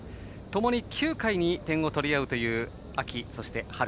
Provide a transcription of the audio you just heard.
ともに９回に点を取り合うという秋と春。